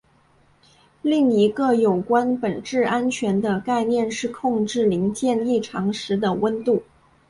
另一个有关本质安全的概念是控制零件异常时的温度。